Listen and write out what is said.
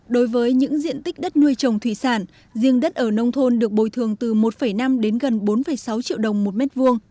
đối với những diện tích đất nuôi trồng thủy sản riêng đất ở nông thôn được bồi thường từ một năm đến gần bốn sáu triệu đồng một mét vuông